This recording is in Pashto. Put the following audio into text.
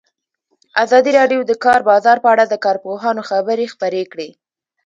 ازادي راډیو د د کار بازار په اړه د کارپوهانو خبرې خپرې کړي.